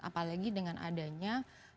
apalagi dengan adanya